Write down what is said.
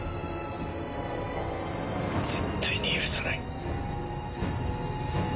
絶対に許さない。